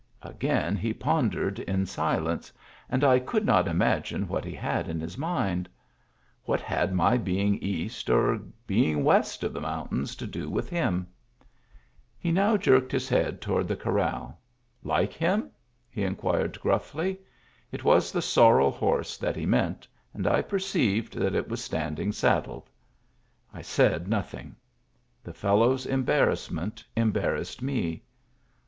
Again he pondered in silence, and I could not imagine what he had in his mind. What had my being east or being west of the mountains to do with him ? He now jerked his head toward the corral. "Like him?" he inquired grufHy. It was the sorrel horse that he meant, and I perceived that it was standing saddled. I said nothing. The fellow's embarrassment embarrassed me.